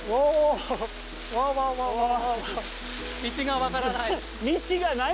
道が分からない。